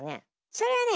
それはね